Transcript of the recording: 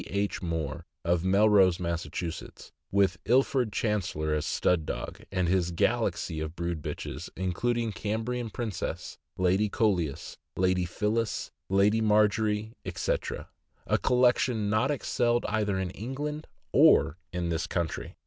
H. Moore, of Melrose, Mass., with Ilford Chancellor as stud dog, and his galaxy of brood bitches includes Cambrian Princess, Lady Coleus, Lady Phyllis, Lady Margery, etc. ; a collection not excelled either in England or in this country.